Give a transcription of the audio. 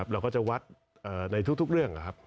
เราก็จะวัดในทุกเรื่อง